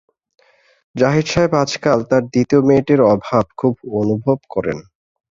জাহিদ সাহেব আজকাল তাঁর দ্বিতীয় মেয়েটির অভাব খুব অনুভব করেন।